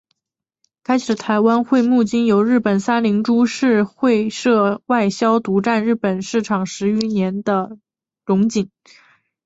开启了台湾桧木经由日本三菱株式会社外销独占日本市场十余年的荣景。